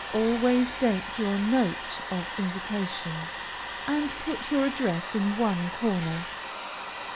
_ Always date your note of invitation, and put your address in one corner.